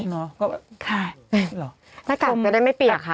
เล่นน้ำน้ำหน้ากากไม่ได้เปียกค่ะ